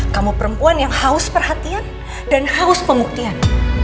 kamu perempuan yang haus perhatian dan haus pembuktian